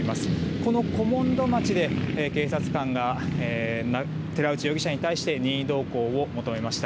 この古門戸町で警察官が寺内容疑者に対して任意同行を求めました。